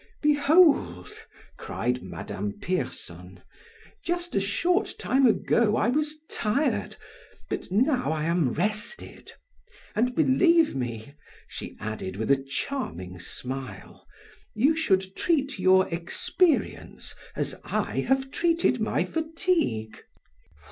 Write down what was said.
"Behold!" cried Madame Pierson, "just a short time ago I was tired, but now I am rested. And, believe me," she added, with a charming smile, "you should treat your experience as I have treated my fatigue.